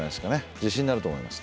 自信になると思います。